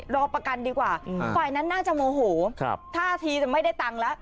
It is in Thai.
รอประกันดีกว่าฝ่ายนั้นน่าจะโมโหท่าทีจะไม่ได้ตังค์แล้ว